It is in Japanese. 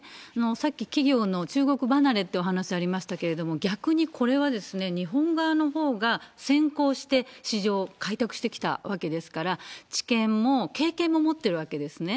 さっき企業の中国離れってお話ありましたけれども、逆にこれは、日本側のほうが先行して、市場を開拓してきたわけですから、知見も経験も持ってるわけですね。